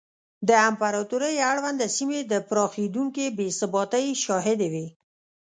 د امپراتورۍ اړونده سیمې د پراخېدونکې بې ثباتۍ شاهدې وې.